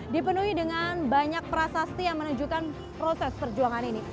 dipenuhi dengan banyak prasasti yang menunjukkan proses perjuangan ini